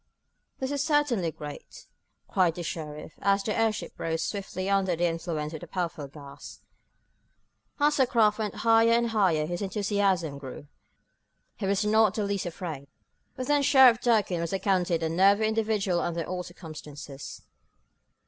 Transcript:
"This is certainly great!" cried the sheriff, as the airship rose swiftly under the influence of the powerful gas. As the craft went higher and higher his enthusiasm grew. He was not the least afraid, but then Sheriff Durkin was accounted a nervy individual under all circumstances.